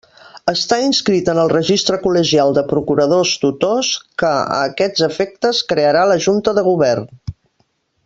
Estar inscrit en el registre col·legial de procuradors tutors que, a aquests efectes, crearà la Junta de Govern.